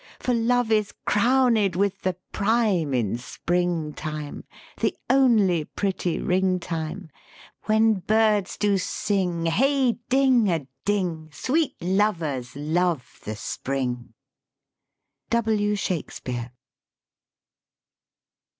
For love is crowned with the prime In spring time, the only pretty ring time, When birds do sing hey ding a ding: Sweet lovers love the Spring." W. SHAKESPEARE.